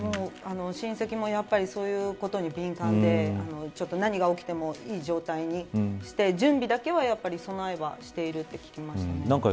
親戚も、そういうことに敏感で何が起きてもいい状態にして準備だけは備えはしていると聞きましたね。